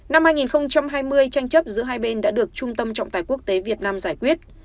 năm hai nghìn hai mươi tranh chấp giữa hai bên đã được trung tâm trọng tài quốc tế việt nam giải quyết